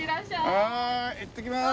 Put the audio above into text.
はいいってきます！